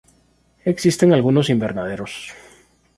Existen algunos invernaderos.